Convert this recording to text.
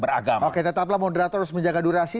beragam oke tetaplah moderator harus menjaga durasi